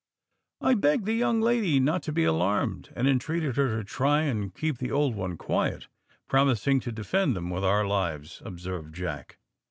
"I begged the young lady not to be alarmed, and entreated her to try and keep the old one quiet, promising to defend them with our lives," observed Jack.